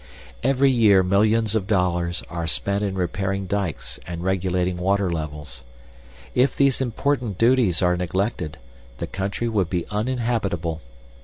Every year millions of dollars are spent in repairing dikes and regulating water levels. If these important duties were neglected, the country would be uninhabitable.